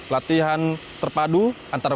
latihan terpadu antara